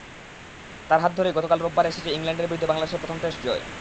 তাঁর হাত ধরেই গতকাল রোববার এসেছে ইংল্যান্ডের বিরুদ্ধে বাংলাদেশের প্রথম টেস্ট জয়।